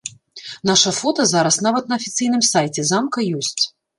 Наша фота зараз нават на афіцыйным сайце замка ёсць.